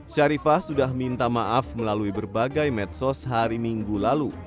syarifah sudah minta maaf melalui berbagai medsos hari minggu lalu